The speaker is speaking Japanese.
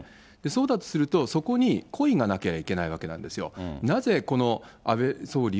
そうだとすると、そこに故意がなきゃいけないわけなんですよ。